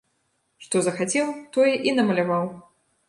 Што захацеў, тое і намаляваў!